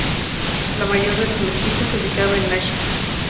La mayor de las mezquitas se ubicaba en Lhasa.